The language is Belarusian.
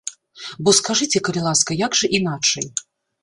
Бо скажыце, калі ласка, як жа іначай.